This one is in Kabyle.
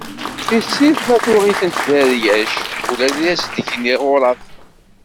Tissirt, ma tuɣ-itent deg rryac, ula i as-d-gan iɣuraf.